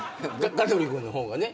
香取君の方がね。